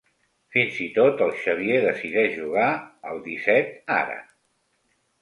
Fins i tot el Xavier decideix jugar al disset, ara.